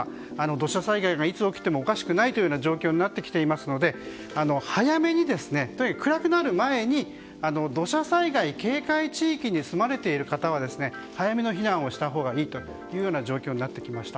土砂災害がいつ起きてもおかしくないというような状況になってきていますので早めに、暗くなる前に土砂災害警戒地域に住まわれている方は早めの避難をしたほうがいいという状況になってきました。